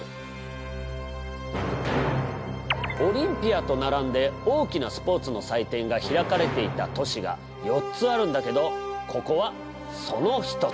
オリンピアと並んで大きなスポーツの祭典が開かれていた都市が４つあるんだけどここはその１つ。